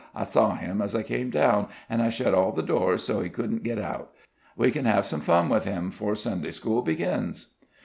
I saw him as I came down, and I shut all the doors, so he couldn't get out. We can have some fun with him 'fore Sunday school begins."